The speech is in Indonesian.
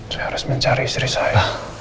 dia harus mencari istri saya